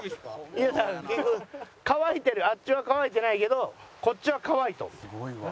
いやだから結局乾いてるあっちは乾いてないけどこっちは乾いとんねん。